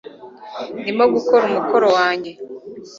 ndimo gukora umukoro wanjye